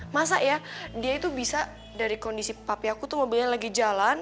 masa ya dia itu bisa dari kondisi papi aku tuh mobilnya lagi jalan